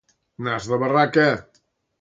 Nas de barraca.